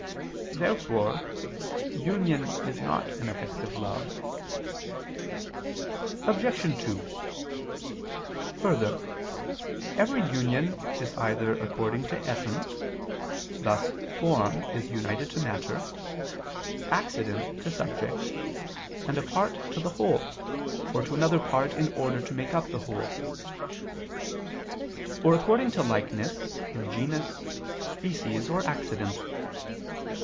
Therefore union is not an effect of love. Obj. 2: Further, every union is either according to essence, thus form is united to matter, accident to subject, and a part to the whole, or to another part in order to make up the whole: or according to likeness, in genus, species, or accident.